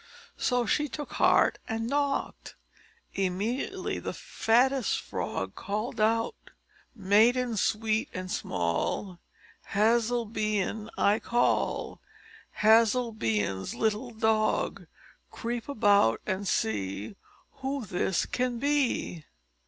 So she took heart, and knocked. Immediately the fattest frog called out "Maiden sweet and small, Hutzelbein I call; Hutzelbein's little dog. Creep about and see Who this can be."